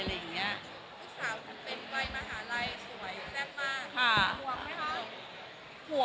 อะไรอย่างเงี้ยผู้สาวเป็นวัยมหาลัยสวยแซ่บมากค่ะห่วงไหมคะ